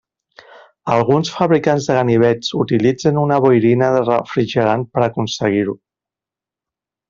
Alguns fabricants de ganivets utilitzen una boirina de refrigerant per aconseguir-ho.